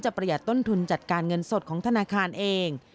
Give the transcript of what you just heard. ประหยัดต้นทุนจัดการเงินสดของธนาคารเอง